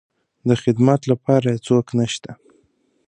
د خدمت لپاره يې څوک نشته.